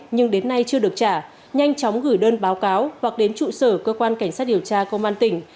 nhưng đến nay chưa được trả nhanh chóng gửi đơn báo cáo hoặc đến trụ sở cơ quan cảnh sát điều tra công an tỉnh